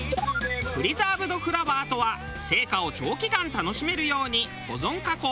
プリザーブドフラワーとは生花を長期間楽しめるように保存加工